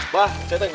bah saya tanya